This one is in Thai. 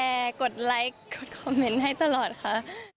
ปกติเวลาหนูลงไอจีย์ค่ะ